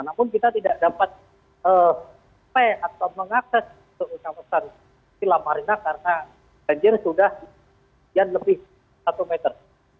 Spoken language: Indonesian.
namun kita tidak dapat atau mengakses ke kawasan silamarina karena banjir sudah lebih satu meter